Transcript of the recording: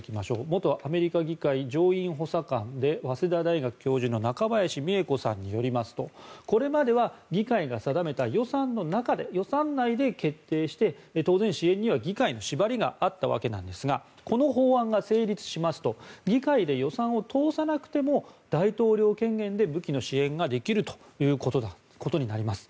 元アメリカ議会上院補佐官で早稲田大学教授の中林美恵子さんによりますとこれまでは議会が定めた予算の中で予算内で決定して当然、支援には議会の縛りがあったわけなんですがこの法案が成立しますと議会で予算を通さなくても大統領権限で、武器の支援ができるということになります。